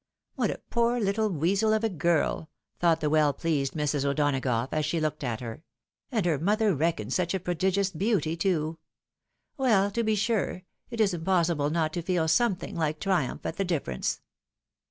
" What a poor little weasel of a girl !" thought the well pleased Mrs. O'Donagough, as she looked at her ;" and her mother reckoned such a prodigious beauty too ! Well to be sure, it is impossible not to feel something like triumph at the difference."